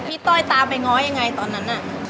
ต้อยตามไปง้อยังไงตอนนั้นน่ะ